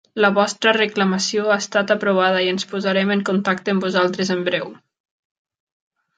La vostra reclamació ha estat aprovada i ens posarem en contacte amb vosaltres en breu.